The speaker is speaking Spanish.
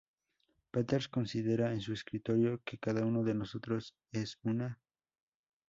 Peters considera en su escrito que cada uno de nosotros es una "Me.